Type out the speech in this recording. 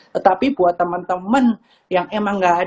tetapi buat teman teman yang emang nggak ada masalah